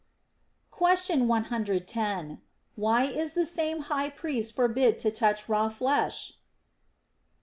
Question 110. Why is the same high priest forbid to touch raw flesh